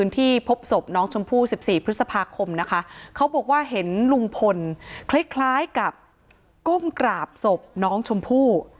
ที่พบศพน้องชมพู่๑๔พฤษภาคมนะคะเขาบอกว่าเห็นลุงพลคล้ายกับก้มกราบศพน้องชมพู่